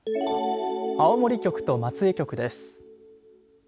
青森局と松江局です。